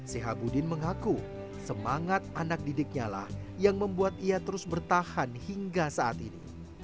sehabudin mengaku semangat anak didiknya lah yang membuat ia terus bertahan hingga saat ini